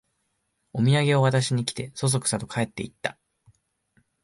おみやげを渡しに来て、そそくさと帰っていった